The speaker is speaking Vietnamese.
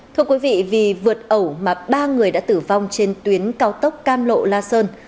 thưa quý vị vì vượt ẩu mà ba người đã tử vong trên tuyến cao tốc cam lộ la sơn